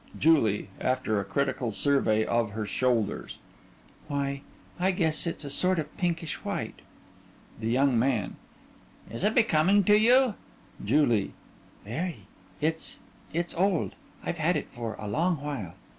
JULIE: (After a critical survey of her shoulders) Why, I guess it's a sort of pinkish white. THE YOUNG MAN: Is it becoming to you? JULIE: Very. It's it's old. I've had it for a long while.